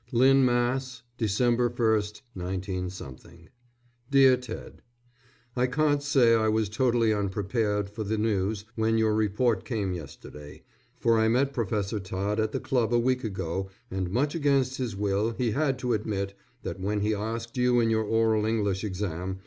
LYNN, MASS., _December 1, 19 _ DEAR TED: I can't say I was totally unprepared for the news, when your report came yesterday, for I met Professor Todd at the club a week ago and much against his will he had to admit, that when he asked you in your oral English exam.